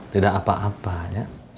tidak apa apa ya